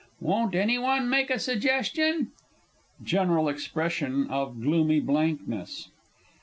Won't any one make a suggestion? [_General expression of gloomy blankness.